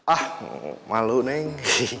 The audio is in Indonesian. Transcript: ah malu neng